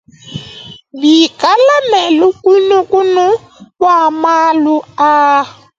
Bikale ne lukunukunu bua malu aa.